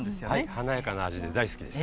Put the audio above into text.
華やかな味で大好きです。